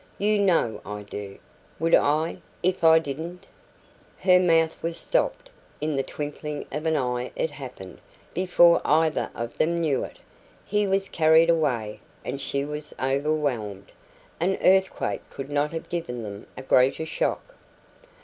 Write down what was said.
"You KNOW I do! Would I if I didn't " Her mouth was stopped. In the twinkling of an eye it happened, before either of them knew it. He was carried away, and she was overwhelmed. An earthquake could not have given them a greater shock.